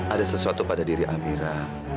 ada sesuatu pada diri amira